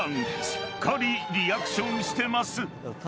しっかりリアクションしてます］